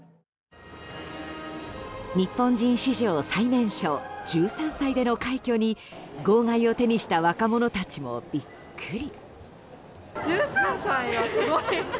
日本人史上最年少１３歳での快挙に号外を手にした若者たちもビックリ。